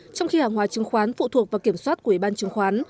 trong khi hàng hóa chứng khoán phụ thuộc vào kiểm soát của ủy ban chứng khoán